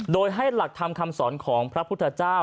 โดยให้หลักธรรมคำสอนของพระพุทธเจ้า